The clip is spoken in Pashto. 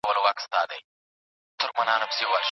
که موږ یو بل ته لاس ورکړو، هېواد به ودان کړو.